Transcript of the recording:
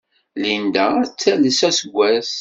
Linda ad tales aseggas!